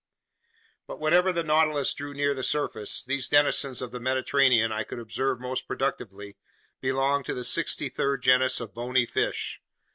But whenever the Nautilus drew near the surface, those denizens of the Mediterranean I could observe most productively belonged to the sixty third genus of bony fish.